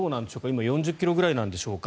今４０ｋｍぐらいなんでしょうか。